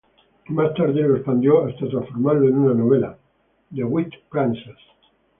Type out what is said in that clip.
Más tarde lo expandió hasta transformarlo en una novela, "The Wheat Princess".